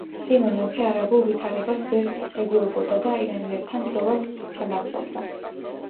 სვიმონ მეფე არსებულ ვიᲗარებას ვერ ეგუებოდა და ირანელებᲗან ბრᲫოლას განაგრᲫობდა.